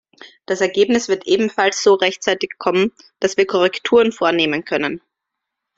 Das Ergebnis wird ebenfalls so rechtzeitig kommen, dass wir Korrekturen vornehmen können.